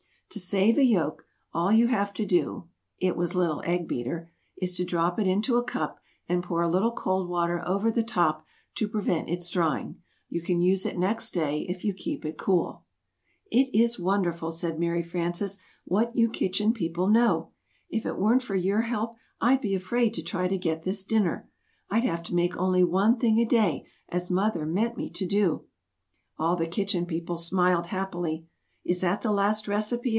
"To save a yolk, all you have to do (it was little Egg Beater) is to drop it into a cup and pour a little cold water over the top, to prevent its drying. You can use it next day, if you keep it cool." [Illustration: "Yes, that is very nice"] "It is wonderful," said Mary Frances, "what you Kitchen People know. If it weren't for your help, I'd be afraid to try to get this dinner. I'd have to make only one thing a day, as Mother meant me to do." All the Kitchen People smiled happily. "Is that the last recipe?"